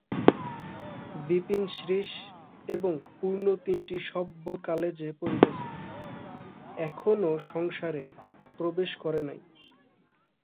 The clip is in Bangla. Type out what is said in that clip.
বিপিন শ্রীশ এবং পূর্ণ তিনটি সভ্য কালেজে পড়িতেছে, এখনো সংসারে প্রবেশ করে নাই।